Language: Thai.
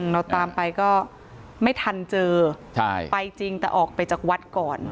เราตามไปก็ไม่ทันเจอไปจริงแต่ออกไปจากวัดก่อน